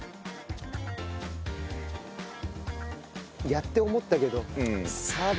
やって思ったけど。